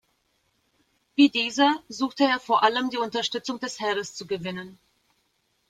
Wie dieser suchte er vor allem die Unterstützung des Heeres zu gewinnen.